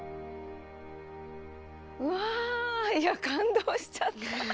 うわいや感動しちゃった。